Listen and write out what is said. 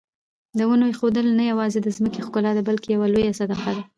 د ونو ایښودل نه یوازې د ځمکې ښکلا ده بلکې یوه لویه صدقه ده.